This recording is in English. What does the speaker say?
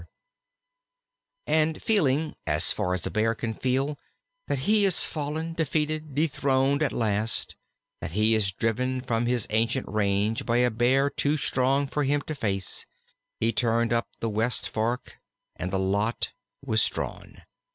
And feeling, as far as a Bear can feel, that he is fallen, defeated, dethroned at last, that he is driven from his ancient range by a Bear too strong for him to face, he turned up the west fork, and the lot was drawn.